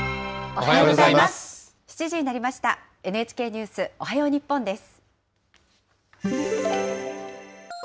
おはようございます。